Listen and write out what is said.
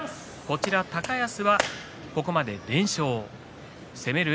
高安はここまで連勝攻める